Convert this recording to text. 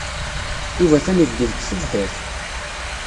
Yuba atan yebded deg tebḥirt.